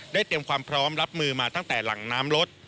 เตรียมความพร้อมรับมือมาตั้งแต่หลังน้ำลด